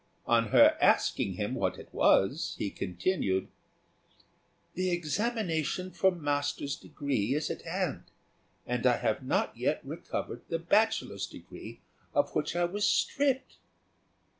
On her asking him what it was, he continued: "The examination for master's degree is at hand, and I have not yet recovered the bachelor's degree of which I was stripped."